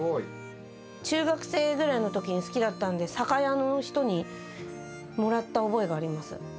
中学生ぐらいのときに好きだったんで、酒屋の人にもらった覚えがあります。